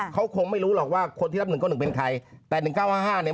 เขาคงไม่รู้หรอกว่าคนที่รับหนึ่งเก้าหนึ่งเป็นใครแต่หนึ่งเก้าห้าห้าเนี่ย